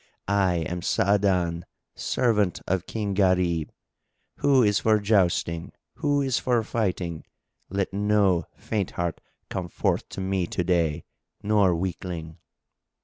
I am Sa'adan, servant of King Gharib. Who is for jousting? Who is for fighting? Let no faint heart come forth to me to day or weakling."